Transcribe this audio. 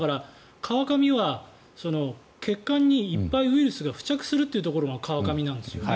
だから、川上は血管にいっぱいウイルスが付着するというところが川上なんですね。